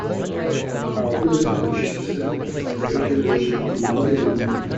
Book a reservation for seven people at Fraser Mansion in Illinois